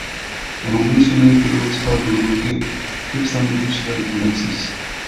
بۇنىڭدىن شۇنى كۆرۈۋېلىشقا بولىدۇكى، كۆپ ساندىكى كىشىلەر گۇناھسىز.